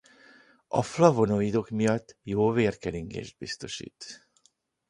A flavonoidok miatt jó vérkeringést biztosít.